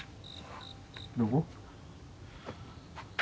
どこ？